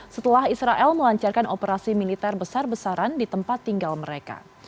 setelah israel melancarkan operasi militer besar besaran di tempat tinggal mereka